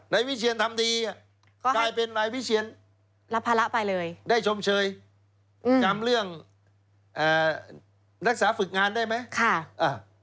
นายวิเชียนทำดีกลายเป็นนายวิเชียนได้ชมเชยกรรมเรื่องนักศึกงานได้ไหม